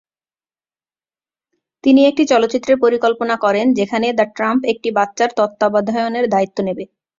তিনি একটি চলচ্চিত্রের পরিকল্পনা করেন যেখানে দ্য ট্রাম্প একটি বাচ্চার তত্ত্বাবধানের দায়িত্ব নিবে।